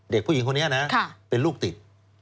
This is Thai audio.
เด็กผู้หญิงคนนี้นะเป็นลูกติด